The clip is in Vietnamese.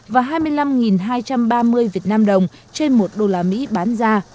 và hai mươi năm hai trăm ba mươi vnđ trên một usd bán ra